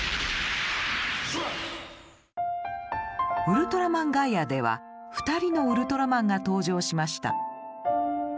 「ウルトラマンガイア」では２人のウルトラマンが登場しました。